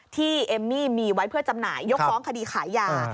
เอมมี่มีไว้เพื่อจำหน่ายยกฟ้องคดีขายยา